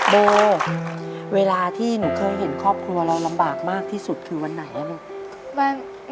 ตัวเรารำบากมากที่สุดคือวันไหนล่ะลูก